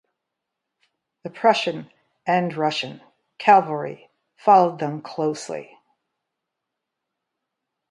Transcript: The Prussian and Russian cavalry followed them closely.